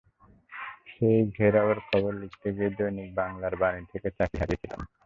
সেই ঘেরাওয়ের খবর লিখতে গিয়ে দৈনিক বাংলার বাণী থেকে চাকরি হারিয়েছিলাম।